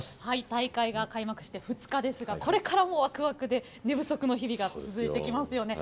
大会が開幕して２日ですが、これからワクワクで寝不足の日々が続いてきますよね。